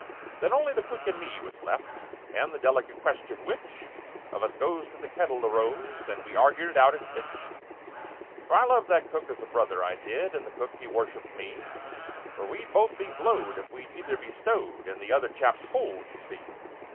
"Then only the cook and me was left, And the delicate question, 'Which Of us two goes to the kettle?' arose, And we argued it out as sich. "For I loved that cook as a brother, I did, And the cook he worshipped me; But we'd both be blowed if we'd either be stowed In the other chap's hold, you see.